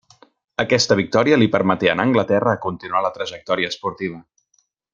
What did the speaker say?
Aquesta victòria li permeté anar a Anglaterra a continuar la trajectòria esportiva.